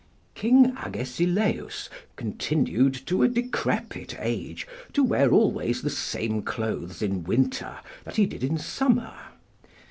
King Agesilaus continued to a decrepit age to wear always the same clothes in winter that he did in summer.